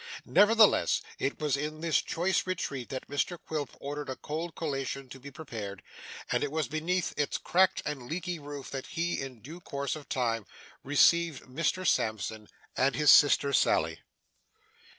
Nevertheless, it was in this choice retreat that Mr Quilp ordered a cold collation to be prepared, and it was beneath its cracked and leaky roof that he, in due course of time, received Mr Sampson and his sister Sally.